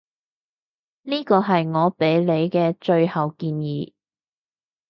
呢個係我畀你嘅最後建議